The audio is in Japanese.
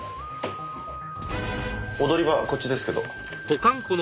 踊り場こっちですけど。